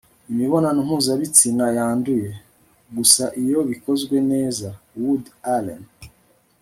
imibonano mpuzabitsina yanduye? gusa iyo bikozwe neza - woody allen